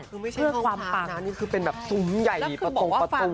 แต่ไม่ใช่ข้าวฝาปน้าน็วนี่เป็นแบบสุมใหญ่ประตู